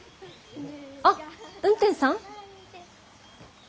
あっ運天さん。